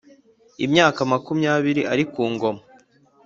Imyaka makumyabiri ari ku ngoma